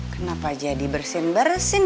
kenapa jadi bersin bersin